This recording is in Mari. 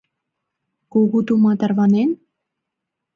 — Кугу тума тарванен?